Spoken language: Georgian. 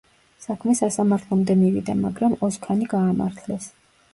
საქმე სასამართლომდე მივიდა, მაგრამ ოზქანი გაამართლეს.